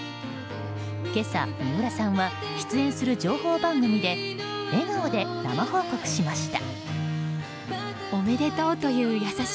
今朝、水卜さんは出演する情報番組で笑顔で生報告しました。